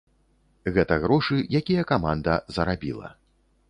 Гэта грошы, якія каманда зарабіла.